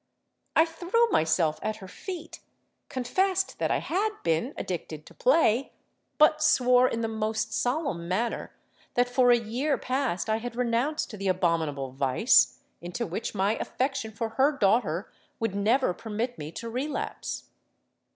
I threw myself at her feet—confessed that I had been addicted to play—but swore in the most solemn manner that for a year past I had renounced the abominable vice, into which my affection for her daughter would never permit me to relapse.